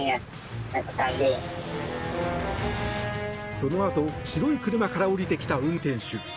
そのあと白い車から降りてきた運転手。